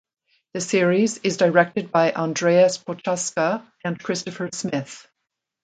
The series is directed by Andreas Prochaska and Christopher Smith.